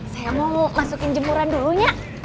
saya mau masukin jemuran dulunya